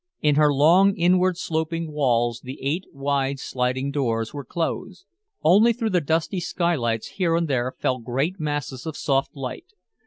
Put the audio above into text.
In her long, inward sloping walls the eight wide sliding doors were closed. Only through the dusty skylights here and there fell great masses of soft light.